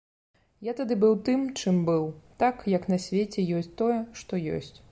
Я тады быў тым, чым быў, так, як на свеце ёсць тое, што ёсць.